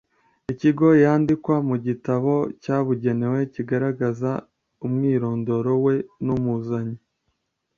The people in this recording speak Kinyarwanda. ikigo yandikwa mu gitabo cyabugenewe kigaragaza umwirondoro we n’ umuzanye